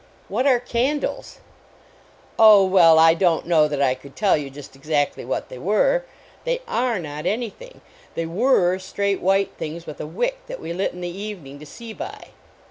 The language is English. What are candles ? Oh, well, I don t know that I could tell you just exactly what they were. They are " not anything. They were straight, white things, with a wick that we lit in the evening to see by.